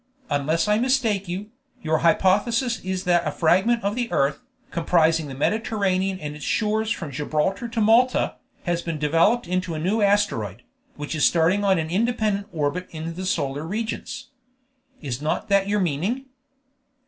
Unless I mistake you, your hypothesis is that a fragment of the earth, comprising the Mediterranean and its shores from Gibraltar to Malta, has been developed into a new asteroid, which is started on an independent orbit in the solar regions. Is not that your meaning?"